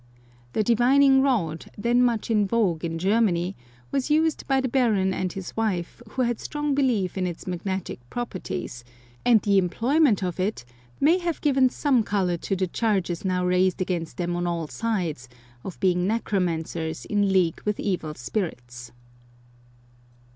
The divining rod, then much in vogue in Germany, was used by the Baron and his wife, who had strong belief in its magnetic properties, and the employment of it may have given some colour to the charges now raised against them on all sides of being necromancers in league with evil spirits.